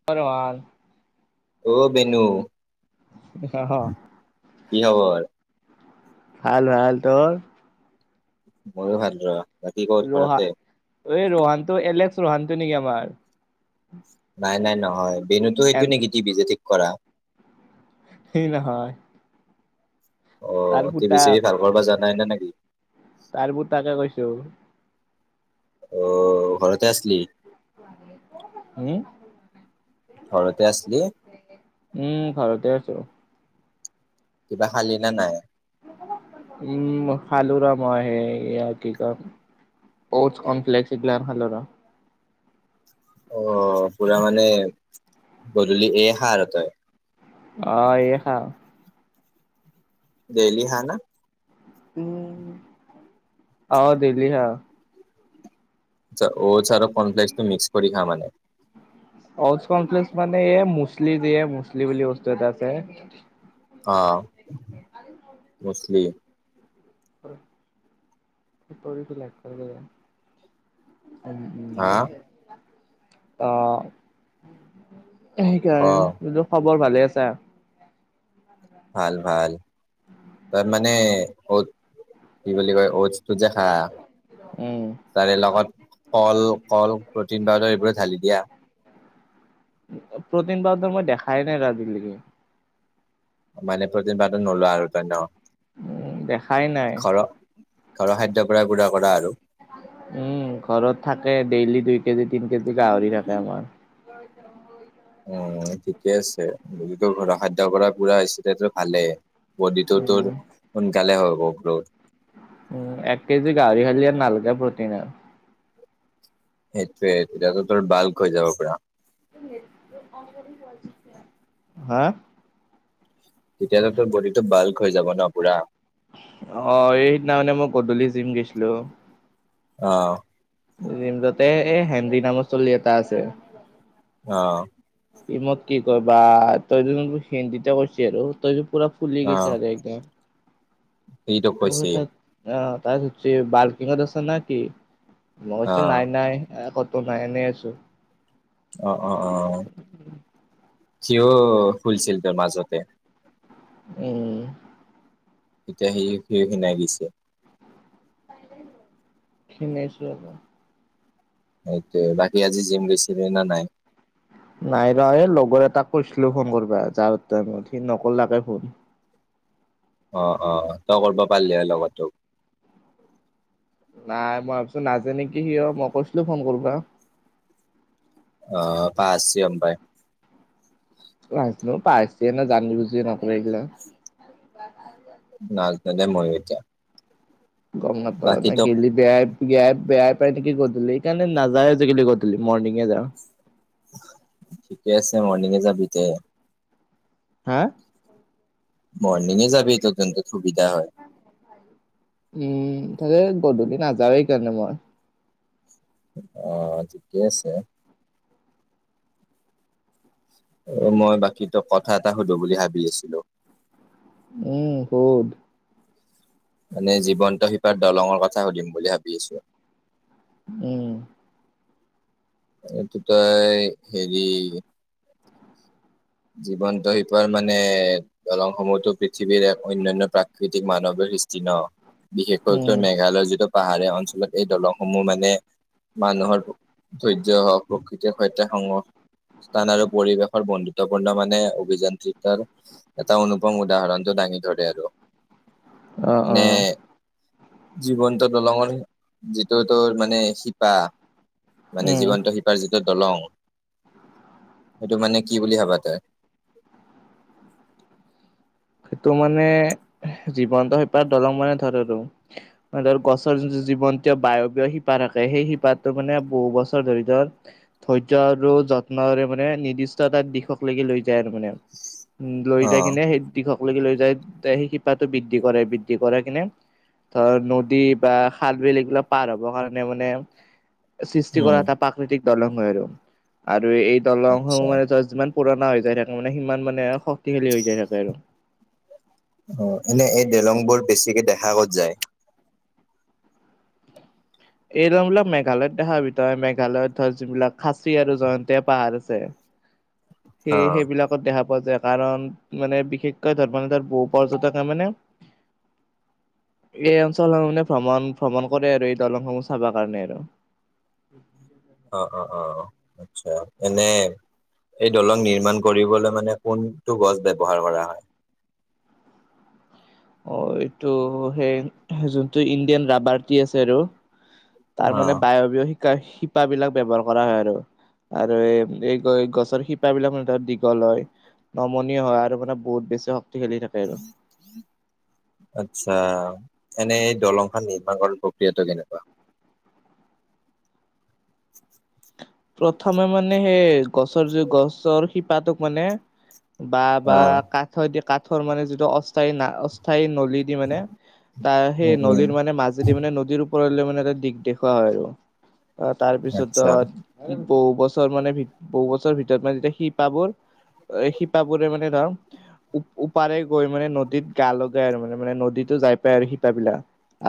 [inaudible] অ বেনু। কি খবৰ ভাল ভাল, তোৰ? মই ভাল ৰ, বাকী ক'ত ৰহা ঘৰতে। এই ৰোহানটো এলেক্স ৰোহান টো নেকি আমাৰ। নাই নাই নহয়, বেনুতো সেইটো নেকি টিভি যে ঠিক কৰা। সেই নহয়। অ তাৰ টিভি পুতাক চিভি ভাল কৰিব বা জানাই নে নেকি। তাৰবোৰ তাকে কৈছো। অ, ঘৰতে আছিলি। উম। ঘৰতে আছিলো। উম, ঘৰতে আছো। কিবা খালি না নাই। উম খালোঁ ৰ মই আহ ইয় কি কয় স্পৰ্টছ কম্প্লেকসগিল হল আৰ। অ পুৰা মানে গধূলি এহা আৰু তই। অ এই খা। দেললি হা না। উম আঁহ দেলি খাওঁ। অডচ আৰু কৰ্নফ্লেক্স টো মিক্স কৰি খা মানে। অদ কমপ্লেক্স মানে এই মুছলি দিয়ে মুছলি বুলি বস্তু এটা আছে। অঁ মুছলি। [unintelligible] উম উম হা অঁ। ক সেইকাৰণে বোলো খবৰ ভালে আছা। ভাল ভাল। তাৰ মানে অডছটো কি বুলি কয় অডটছটো যে খা উম। তাৰে লগত কল কল প্ৰটিন পাউদাৰ এইবোৰে ঢালি দিয়া। প্ৰটিন পাউদাৰ মই দেখাই নাই আজিলৈকে। মানে প্ৰটিন পাউদাৰ নলওঁ আৰু তই ন। উম দেখাই নাই। ঘৰ ঘৰৰ খাদ্যৰ পৰাই গুৰা কৰা আৰু। উম ঘৰত থাকে ডেইলি দুই কেজি তিন কেজি গাহৰি থাকে আমাৰ। [unintelligible] অ ঠিকে আছে যদি তো ঘৰৰ খাদ্য পৰা পুৰা হৈছে তেতিয়াটো ভালেই বডিটো উম তোৰ সোনকালে হব গ্ৰোথ উ এক কেজি গাহৰি খালি আৰু নালগে প্ৰটিন আৰু সেইটোৱে এতিয়াতো তোৰ বাল্ক হৈ যাব পুৰা [inaudible] হা তেতিয়াটো তোৰ বডিটো বাল্ক হৈ যাব ন পুৰা। অ সেইদিনা খনে মই গধূলি জিম গৈছিলো। অ জিম তাতে এ হেন্দী নামৰ ছোৱালী এটা আছে। অ'। ই মোক কি কয় বা তই য হিন্দীতে কৈছি আৰু তই যোৰ পুৰা ফুলি অ গৈছা যাইকে। সিটো কৈছে তাত আহ তাত বাৰ্কিঙত আছে না কি। মই অ কৈছো নাই নাই কতো নাই এনেই আছো। অ', অ', অ', হিউ য ফুলছিল তই মাজতে। উম এতিয়া সেই সিও খীণাই গৈছে খিনাইছো অলপ। সেইটোয়ে বাকী আজি জিম গৈছিলি না নাই। নাই ৰ এই লগৰ এটাক কৈছিলো ফোন কৰিবা যাৱাৰ টাইমত সি নকলাকে ফোন। অ অ তই কৰিব পাৰিলি হয় লগৰতোক নাই মই ভাবিছোঁ নাজায় নেকি সিও মই কৈছিলো ফোন কৰবা। অ পাচি হম পাই। নাজনো পাহাচি এ না জানি বুজি নকৰে এইগিলা। নাজনো দেই মইও এতিয়া গম নাপাও বাকী মই তই গেলি। বেয়াই বেয়াই বেয়াই পাই নেকি গধূলি সেইকাৰণে নাযাও এ আজিকালি গধূলি মৰ্ণিঙে যাওঁ ঠিকে আছে মৰ্ণিঙে যাবি দে। হা মৰ্নিঙে যাবি তোৰ তেন্তে সুবিধা হয়। উম তাকে গধূলি নাযাও এ এইকাৰণে মই অ ঠিকে আছে মই বাকী তোক কথা এটা সুধো বুলি ভাবি আছিলো। উম শুধ মানে জীৱন্ত শিপাৰ দলঙৰ কথা সুধিম বুলি ভাবি আছো। উম এইটো তই হেৰি জীৱন্ত শিপাৰ মানে দলংসমূহতো পৃথিৱীৰ এক অন্যান্য প্ৰাকৃতিক মানৱীয় সৃষ্টি ন। বিশেষকৈ উম উত্তৰ মেঘালয়ৰ যিটো পাহাৰীয়া অঞ্চলত এই দলংসমূহ মানে মানুহৰ ধৈৰ্য্য হওক, প্ৰকৃতিৰ সৈত সংগহ স্থান আৰু পৰিৱেশৰ বন্ধু। গুৰুত্বপূৰ্ণ মানে অভিযান্ত্ৰিতৰ এটা অনুপম উদাহৰণটো দাঙি ধৰে আৰু। অ অ মানে জীৱন্ত দলঙৰ যিটো তোৰ মানে শিপা। মানে উম জীৱন্ত শিপাৰ যিটো দলং, সেইটো মানে কি বুলি ভাবা তই? সেইটো মানে জীৱন্ত শিপাৰ দলং মানে ধৰ আৰু। ধৰ গছৰ যোনটো জীৱন্ত বায়বীয় শিপা থাকে সেই শিপাটো মানে বহু বছৰ ধৰি ধৰ ধৈৰ্য্য আৰু যত্নৰে মানে নিৰ্দিষ্ট এটা দিশক লগি লৈ যায় আৰু মানে। উম লৈ অ যাই কিনে সেই দিশক লেগি লৈ যায় সেই শিপাটো বৃদ্ধি কৰে বৃদ্ধি কৰে কিনে ধৰ নদী বা খাল, বিল এইবিলাক পাৰ হ'ব কাৰণে মানে সৃষ্টি উম কৰা এটা প্ৰাকৃতিক দলং হয় আৰু, আৰু এই দলং আচ্ছা সমূহ মানে তই যিমান পুৰণা হৈ যায় থাকে মানে, সিমান মানে শক্তিশালী হৈ যায় থাকে আৰু অ' এনে এই দলং বোৰ বেছিকে দেখা ক'ত যায়। এই দলংবিলাক মেঘালয়ত দেখাবি তই মেঘালয়ত ধৰ, যোনবিলাক খাচী আৰু জয়ন্তীয়া পাহাৰ আছে। অ সেই, সেইবিলাকত দেখা পোৱা যায়। কাৰণ মানে বিশেষকৈ ধৰ্মমানৰ বহু পৰ্যটকে মানে এই অঞ্চল সমুহ মানে ভ্ৰমণ ভ্ৰমণ কৰে আৰু এই দলং সমুহ চাব কাৰণে আৰু [inaudible] অৱ অৱ অৱ আচ্ছা, এনে এই দলং নিৰ্মাণ কৰিবলৈ মানে কোনটো গছ ব্যৱহাৰ কৰা হয়? অ এইটো সেই যোনটো ইণ্ডিয়ান ৰাবাৰটি আছে আৰু তাৰ অ মানে বায়বীয় শিকা শিপাবিলাক ব্যৱহাৰ কৰা হয় আৰু আৰু এই এই গছৰ শিপাবিলাক মানে ধৰ দীঘল হয়। নমনীয় হয় আৰু মানে বহুত বেছি শক্তিশালী থাকে। আৰু [inaudible] আচ্ছা, এনেই দলং খন নিৰ্মাণ কৰা প্ৰক্ৰিয়াটো কেনেকুৱা? প্ৰথমে মানে সেই গছৰ যে গছৰ শিপাটোক মানে বা বা অ কাঠৰ দি কাঠৰ মানে, যিটো অস্থায়ী অস্থায়ী নলীত দি মানে তাৰ সেই উম উম নলীৰ মানে মাছ যদি মানে নদীৰ ওপৰলৈ মানে এটা দিশ দেখুওৱা হয় আৰু তাৰপিছত আচ্ছা তোৰ বহু বছৰ মানে বহু বছৰৰ ভিতৰত মানে যেতিয়া শিপাবোৰ এ, শিপাবোৰে মানে ধৰ উপ ওপাৰে গৈ মানে নদীত গা লগাই আৰু মানে মানে নদীতো যাই পায় আৰু শিপা বিলাক।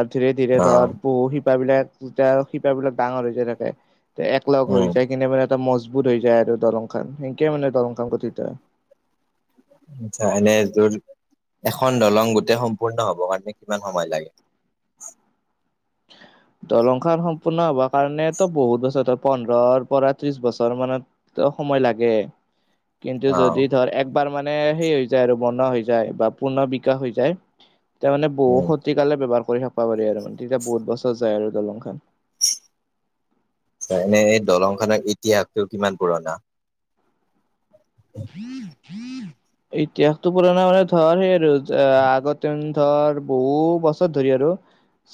আৰু ধীৰে ধীৰে অ ধৰ বহু শিপাবলাক শিপা শিপাবিলাক ডাঙৰ হৈ যায় থাকে। লগ উম হৈ যায় কিনে মানে এটা মজবুত হৈ যায় আৰু দলং খন সেনকে মানে দলং খন গঠিত হয়। আচ্ছা, এনে তোৰ এখন দলং গোটেই সম্পূৰ্ণ হ'ব কাৰণে কিমান সময় লাগে? [inaudible] দলং খন সম্পূৰ্ণ হ'বৰ কাৰণে টো বহুত বছৰ ধৰ পোন্ধৰৰ পৰা ত্ৰিশ বছৰ মানত ত সময় লাগে। কিন্তু অ যদি ধৰ একবাৰ মানে সেই হৈ যায় আৰু বনোৱা হৈ যায় বা পূৰ্ণ বিকাশ হৈ যায়। তেতিয়া মানে বহু উম শতিকালৈ ব্যৱহাৰ কৰি থাকবা পাৰি আৰু তেতিয়া বহুত বছৰ যায় আৰু দলং খন। এনে সেই দলং খনৰ ইতিহাসটো কিমান পুৰণা? [inaudible] [inaudible] ইতিহাসটো পুৰণা মানে ধৰ সেই আৰু আগতে ধৰ বহু বছৰ ধৰি আৰু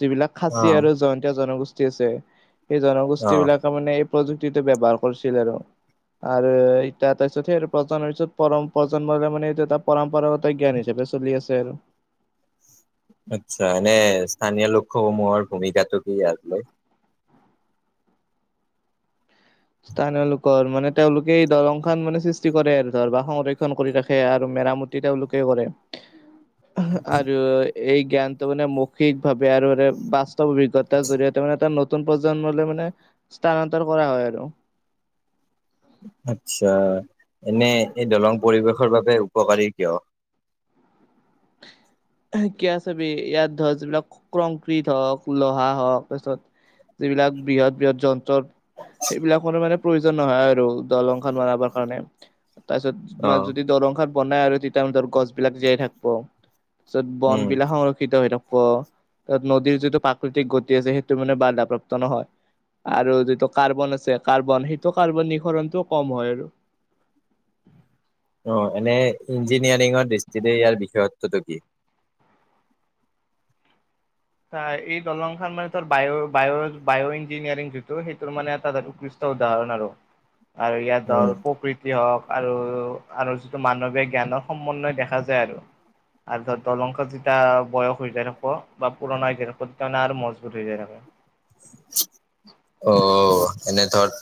যিবিলাক অ খাচী আৰু জয়ন্তীয়া জনগোষ্ঠী আছে। সেই অ জনগোষ্ঠী বিলাক ত মানে এই প্ৰযুক্তিটো ব্যৱহাৰ কৰছিল আৰু আৰু ই তাৰপিছতে আৰু প্ৰজন্মৰ পিছত পৰম প্ৰজন্মৰে মানে এইটো এটা পৰম্পৰাগত জ্ঞান হিচাপে চলি আছে আৰু আচ্ছা, এনে স্থানীয় লোকসমূহৰ ভূমিকাটো কি আৰু ক'য় স্থানীয় লোকৰ মানে তেওঁলোকে এই দলং খন মানে সৃষ্টি কৰে আৰু ধৰ বা সংৰক্ষণ কৰি ৰাখে আৰু মেৰাম তেওঁলোকে কৰে। [inaudible] আৰু এই জ্ঞানটো মানে মৌখিকভাৱে আৰু অৰে বাছ স্তৱ অভিজ্ঞতাৰ জৰিয়তে মানে, এটা নতুন প্ৰজন্মলৈ মানে স্থানান্তৰ কৰা হয় আৰু ত আটচ্ছা এনে এই দলং পৰিৱেশৰ বাবে উপকাৰী কিয়? কিয়া চাবি ইয়াত ধৰ যিবিলাক ক্ৰংক্ৰিট হওঁক, লোহা হওঁক তাছত যিবিলাক বৃহৎ বৃহৎ যন ন্ত্ৰ সেইবিলাকৰ মানে প্ৰয়োজন নহয় আৰু দলংখন বনাবৰ কাৰণে তাপিছত অ কোনবাই যদি দলং খান বনাই আৰু তেতিয়া মানে গছ বিলাক জীয়াই থাকব য'ত বন উম বিলাক সংৰক্ষিত হৈ থাকব। তাত নদীৰ যিটো প্ৰাকৃতিক গতি আছে, সেইটো মানে বাধাপ্ৰাপ্ত নহয়। আৰু যিটো কাৰ্বন আছে কাৰ্বন সেইটো কাৰ্বনিখৰণটোও কম হয় আৰু অ' এনে ইঞ্জিনিয়াৰিঙৰ দৃষ্টিৰে ইয়াৰ বিশেষত্বটো কি? চা এই দলং খন মানে তোৰ বায় বায় বায় ইঞ্জিনিয়াৰিং যিটো সেইটো মানে উৎকৃ ষ্ট উদাহৰণ আৰু [inaudible] আৰু ইয়াত উম ধৰ প্ৰকৃত তি হওঁক আৰু, আৰু যিটো মানৱীয় জ্ঞানৰ সমন্বয় দেখা যায় আৰু আৰু ধৰ দলং খন যেতিয়া বয়স হৈ যায় ওখ বা পুৰণা হৈকিনে সত্ৰ্যনা আৰু মজবুত হৈ জাই তাৰমানে অ' এনে ধৰ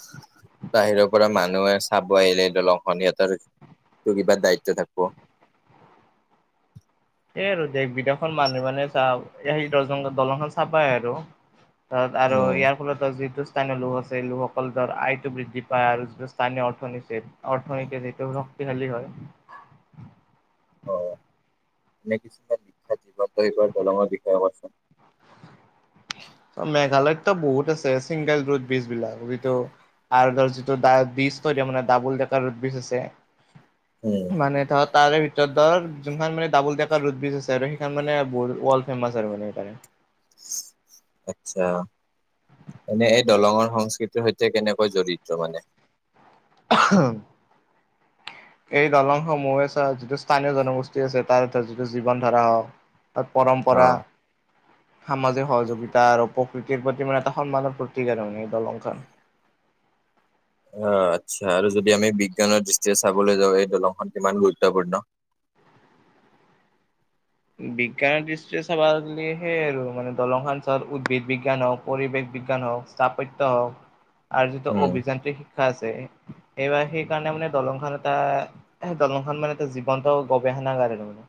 বাহিৰৰ পৰা মানুহে চাব আহিলে দলংখন সিহঁতৰ, টো কিবা দায়িত্ব থাকব এই আৰু দেশ বিদেশৰ মানুহ মানে চাওঁক এ আহি দ দলংখন চাবাই আৰু ত আৰু উম ইয়াৰ ফলত যিটো স্থানীয় লোক আছে এই লোকসকল ধৰ আয়টো বৃদ্ধি পায়, আৰু যিটো স্থানীয় অৰ্থনীতিৰ অৰ্থনীতি যিটো ক্তি শালী হয়। অ এনে কিছুমান বিখ্যাত জীৱন্ত এইবাৰ দলঙৰ বিষয়ে কোৱাচোন মেঘালয়ত তো বহুত আছে ছিংগল ৰুট ব্ৰীজ বিলাক। যিটো আৰু ধৰ যিটো দাডব্ৰিজ কৈ দে মানে দাবুল দেতৰ ব্ৰিজ আছে উম মানে ধৰ তাৰে ভিতৰত ধৰ যোনখন মানে ডাবুল ডেকা ৰুট ব্ৰীজ আছে আৰু সেইখন মানে বহুত ৱৰ্ল্ড ফেমাচ আৰু মানে সেইকৰণে আটচ্ছা। এনে এই দলঙৰ সংস্কৃতিৰ সৈতে কেনেকৈ জড়িত মানে? [unintelligible] এই দলংসমূহে চা যিটো স্থানীয় জনগোষ্ঠী আছে তাৰ যিটো জীৱন ধৰা হওঁক তাত অ। পৰম্পৰা সামাজিক সহযোগিতা আৰু প্ৰকৃতিৰ প্ৰতি মানে এটা সন্মানৰ প্ৰতীক আৰু মানে এই দলংখন। অ' আচ্ছা আৰু যদি আমি বিজ্ঞানৰ দৃষ্টিৰে চাবলৈ যাওঁ এই দলংখন কিমান গুৰুত্বপূৰ্ণ বিজ্ঞানৰ দৃষ্টিৰে চাব গ'লে সেই আৰু মানে দলংখন [unintelligible] উদ্ভিদ বিজ্ঞান হওঁক, পৰিৱেশ বিজ্ঞান হওঁক তাপত্য হওঁক [inaudible] আৰু যিটো উম অভিযান্ত্ৰিক শিক্ষা আছে, সেবাৰ সেইকাৰণে মানে দলংখন এটা সেই দলংখন মানে এটা জীৱন্ত গৱেষণাগাৰ [unintelligible] মানে।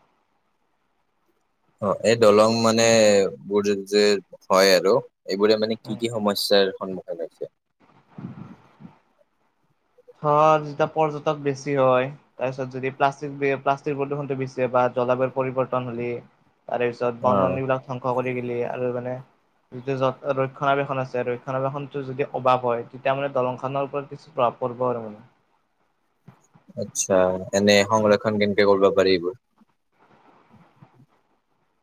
অ' এই দলং মানে বুৰ যে হয় আৰু এইবোৰে মানে কি কি সমস্যাৰ সন্মুখীন হৈছে? হ আৰু যেতিয়া পৰ্যটক বেছি হয় তাৰপিছত যদি প্লাষ্টিক বি প্লাষ্টিক প্ৰদূষণটো বেচি হয় বা জলবায়ুৰ পৰিৱৰ্তন হ'লে। তাৰেপিছত অ বননিবিলাক ধ্বংস কৰি গেলি আৰু মানে যিটো য ৰক্ষণাবেক্ষন আছে, ৰক্ষণাবেক্ষণটো যদি অভাৱ হয় তেতিয়া মানে দলংখনৰ ওপৰত কিছু প্ৰভাৱ পৰিব আৰু মানে। আচ্ছা, এনে সংৰক্ষণ কেনেকে কৰিব পাৰি এইবোৰ?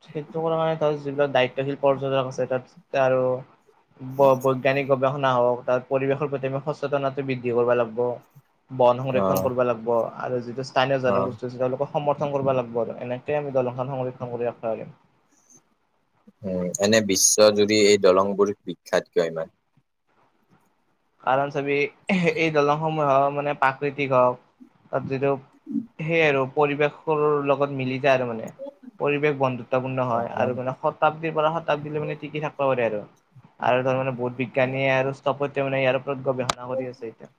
সেইটো কৰা [unintelligible] তাত যিবিলাক দায়িত্বশীল পৰ্টয্যাতক আছে [unintelligible] আৰু ব-বৈজ্ঞানিক গৱেষণা হওঁক তাৰ পৰিৱেশৰ প্ৰতি আমি সচেতনতা বৃদ্ধি কৰিব লাগিব। বন অ সংৰক্ষণ কৰিব লাগিব আৰু যিটো স্থানীয় অ জনগোষ্ঠী আছে তেওঁলোকৰ সমৰ্থন কৰিব লাগিব আৰু এনেকে আমি দলংখন সংৰক্ষণ কৰি ৰাখিব পাৰিম। উম, এনে বিশ্বজুৰি এই দলংবোৰ বিখ্যাত কিয় ইমান? কাৰণ চাবি এই দলংসমূহ হওঁক মানে প্ৰাকৃতিক হওঁক তাত যিটো সেই আৰু পৰিৱেশৰ লগত মিলি যায় আৰু মানে। পৰিৱেশ বন্ধুত্বপূৰ্ণ হয়, আৰু মানে শত শতাব্দীৰ পৰা শতাব্দীলৈ মানে টিকি থাকিব পাৰে আৰু, আৰু ধৰ মানে বহুত বিজ্ঞানীয়ে আৰু স্থাপত্য তেওঁ মানে ইয়াৰ ওপৰত গৱেষণা কৰি আছে এতিয়া।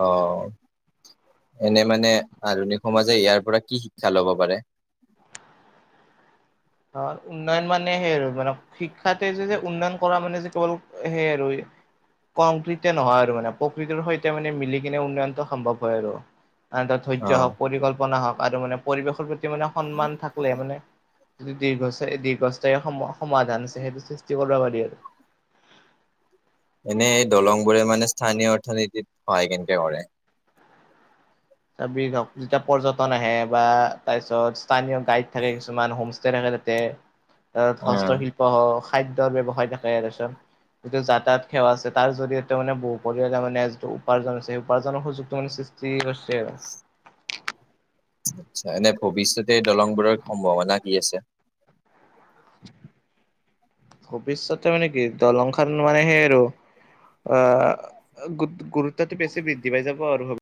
অ' এনে মানে আধুনিক সমাজে ইয়াৰ পৰা কি শিক্ষা ল'ব পাৰে? অ' উন্নয়ন মানে সেই আৰু মানে শিক্ষাতে যে যে উন্নয়ন কৰা মানে যে কেৱল সেই আৰু কংক্ৰিতে নহয় আৰু মানে প্ৰকৃৃতৰ সৈতে মানে মিলি কিনে উন্নয়নটো সম্ভৱ হয় আৰু। [unintelligible] এটা ধৈৰ্য অ', হওক, পৰিকল্পনা হওক, আৰু মানে পৰিৱেশৰ প্ৰতি মানে সন্মান থাকলেহে মানে [unintelligible] দীৰ্ঘ দীৰ্ঘস্থায়ী সম সমাধান আছে, সেইটো সৃষ্টি কৰিব পাৰি আৰু। এনে এই দলঙবোৰে মানে স্থানীয় অৰ্থনীতিত সহায় কেনকে কৰে? [unintelligible] যেতিয়া পৰ্যটন আহে বা তাৰপিছত স্থানীয় গাইড থাকে, কিছুমান হোমষ্টে থাকে, তাতে অ', হস্তশিল্প [unintelligible] খাদ্যৰ ব্যৱসায় থাকে [unintelligible] যিটো যাতায়ত সেৱা আছে, তাৰ জৰিয়তে মানে বহু পৰিয়ালৰ মানে যিটো উপাৰ্জন আছে সেই উপাৰ্জনৰ সুযোগটো মানে চি কৰছে আৰু। আচ্ছা, এনে ভৱিষ্যতে দলংবোৰৰ সম্ভাৱনা কি আছে? [inaudible] ভৱিষ্যতে মানে কি দলংখন মানে সেই আৰু আ, গোট-গুৰুত্বটো বেছি বৃদ্ধি পাই যাব আৰু